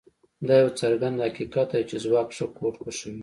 دا یو څرګند حقیقت دی چې ځواک ښه کوډ خوښوي